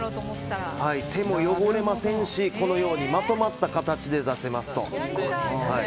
手も汚れませんし、このようにまとまった形で出せます。